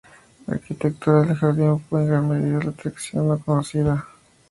La arquitectura del jardín fue en gran medida una atracción no conocida hasta entonces.